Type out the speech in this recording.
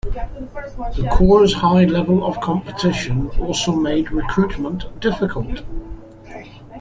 The corps' high level of competition also made recruitment difficult.